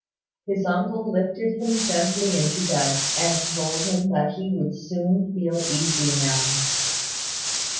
His uncle lifted him gently into bed, and told him that he would soon feel easy now.